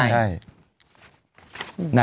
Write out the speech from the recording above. ใช่